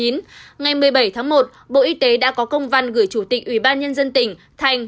ngày một mươi bảy tháng một bộ y tế đã có công văn gửi chủ tịch ủy ban nhân dân tỉnh thành